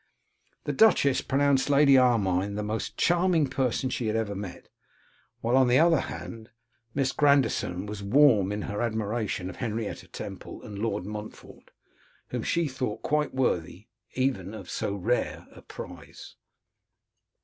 The duchess pronounced Lady Armine the most charming person she had ever met; while, on the other hand, Miss Grandison was warm in her admiration of Henrietta Temple and Lord Montfort, whom she thought quite worthy even of so rare a prize.